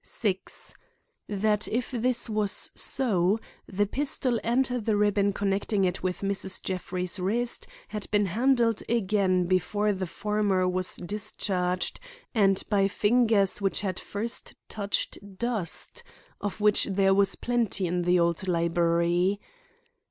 6. That if this was so, the pistol and the ribbon connecting it with Mrs. Jeffrey's wrist had been handled again before the former was discharged, and by fingers which had first touched dust—of which there was plenty in the old library.